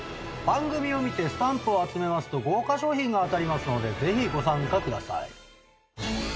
番組を見てスタンプを集めますと豪華商品が当たりますのでぜひご参加ください。